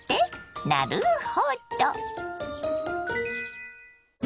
なるほど！